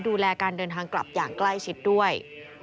ดูแลการเดินทางกลับอย่างใกล้ชิดด้วย